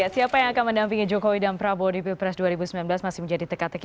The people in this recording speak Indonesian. siapa yang akan mendampingi jokowi dan prabowo di pilpres dua ribu sembilan belas masih menjadi teka teki